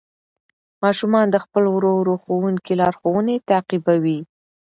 ماشومان د خپل ورو ورو ښوونکي لارښوونې تعقیبوي